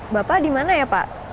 bapak dimana ya pak